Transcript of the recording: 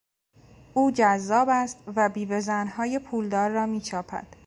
او جذاب است و بیوه زنهای پولدار را میچاپد.